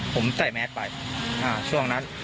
ผมใส่แมสไปช่วงนั้น